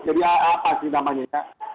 jadi apa sih namanya ya